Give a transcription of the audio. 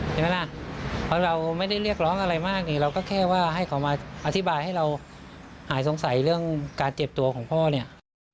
ใช่ไหมล่ะเพราะเราไม่ได้เรียกร้องอะไรมากนี่เราก็แค่ว่าให้เขามาอธิบายให้เราหายสงสัยเรื่องการเจ็บตัวของพ่อเนี่ย